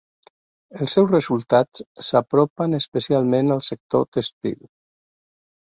Els seus resultats s’apropen especialment al sector tèxtil.